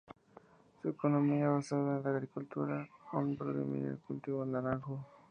Su economía está basada en la agricultura con predominio del cultivo del naranjo.